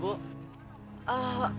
cari apa bu